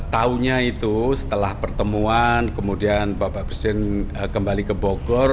tahunya itu setelah pertemuan kemudian bapak presiden kembali ke bogor